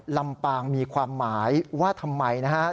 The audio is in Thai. ลำปางมีความหมายว่าทำไมนะฮะ